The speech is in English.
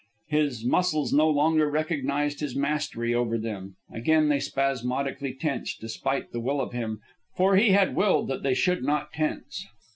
His muscles no longer recognized his mastery over them. Again they spasmodically tensed, despite the will of him, for he had willed that they should not tense.